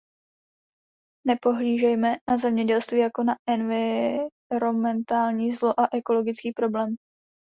Nepohlížejme na zemědělství jako na environmentální zlo a ekologický problém.